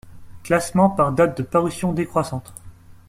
Classement par date de parution décroissante.